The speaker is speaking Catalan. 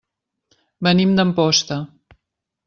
Venim d'Amposta.